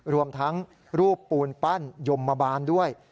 รวมทั้งรูปปูนปั้นยมบาลด้วย